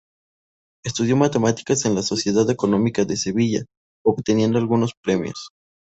Estudió Matemáticas en la Sociedad Económica de Sevilla, obteniendo algunos premios.